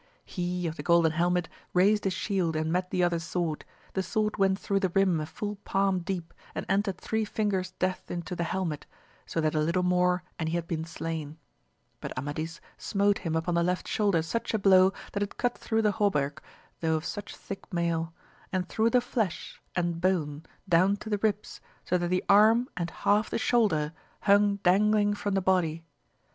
He of the 216 AMADIS OF GAUL golden helmet raised his shield and met the other's sword ; the sword went through the rim a full palm deep and entered three fingers' depth into the helmet, so that a little more and he had been slain. But Amadis smote him upon the left shoulder such a blow that it cut through the hauberk, tho' of such thick mail, and through the flesh and bone down to the ribs, so that the arm and half the shoulder hung dangling from the body.